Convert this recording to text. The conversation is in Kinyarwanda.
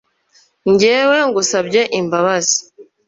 njyewe ngusabye imbabazi’